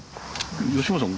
吉村さん